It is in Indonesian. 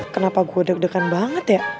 kenapa gue deg degan banget ya